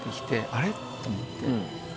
あれ？と思って。